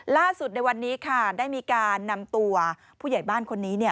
ในวันนี้ค่ะได้มีการนำตัวผู้ใหญ่บ้านคนนี้